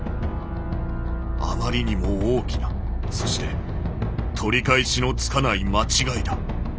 あまりにも大きなそして取り返しのつかない間違いだ」。